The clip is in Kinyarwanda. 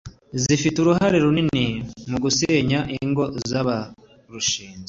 zifite uruhare runini mu gusenya ingo z’abarushinze